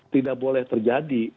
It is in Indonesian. tidak boleh terjadi